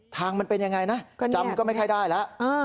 มันเป็นยังไงนะจำก็ไม่ค่อยได้แล้ว